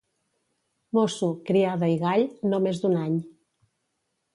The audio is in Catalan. Mosso, criada i gall, no més d'un any.